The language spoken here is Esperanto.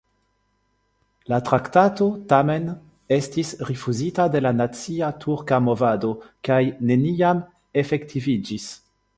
La traktato, tamen, estis rifuzita de la nacia turka movado kaj neniam efektiviĝis.